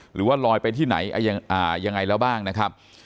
หรือว่าลอยไปที่ไหนยังไงแล้วบ้างนะครับ